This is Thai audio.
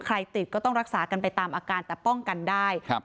ติดก็ต้องรักษากันไปตามอาการแต่ป้องกันได้ครับ